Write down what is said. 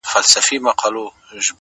زه دي د ژوند اسمان ته پورته کړم ه ياره